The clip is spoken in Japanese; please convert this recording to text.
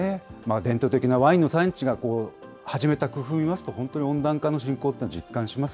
伝統的なワインの産地が始めた工夫を見ますと、本当に温暖化の進行というのは実感します。